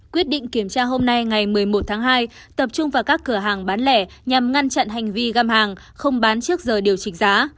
quyết định kiểm tra hôm nay ngày một mươi một tháng hai tập trung vào các cửa hàng bán lẻ nhằm ngăn chặn hành vi găm hàng không bán trước giờ điều chỉnh giá